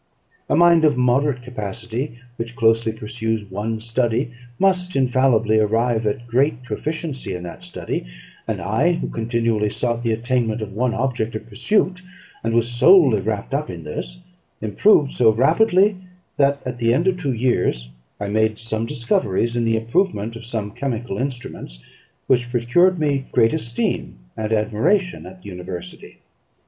A mind of moderate capacity, which closely pursues one study, must infallibly arrive at great proficiency in that study; and I, who continually sought the attainment of one object of pursuit, and was solely wrapt up in this, improved so rapidly, that, at the end of two years, I made some discoveries in the improvement of some chemical instruments, which procured me great esteem and admiration at the university.